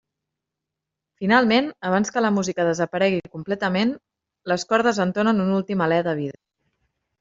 Finalment, abans que la música desaparegui completament, les cordes entonen un últim alè de vida.